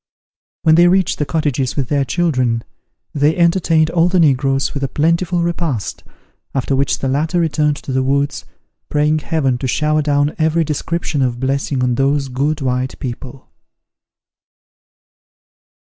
When they reached the cottages with their children, they entertained all the negroes with a plentiful repast, after which the latter returned to the woods, praying Heaven to shower down every description of blessing on those good white people.